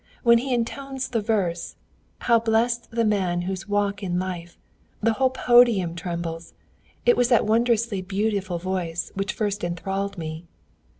When he intones the verse 'How blest the man whose walk in life ...' the whole podium trembles. It was that wondrously beautiful voice which first enthralled me."